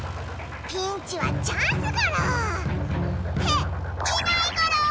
ピンチはチャンスゴロ！っていないゴロ！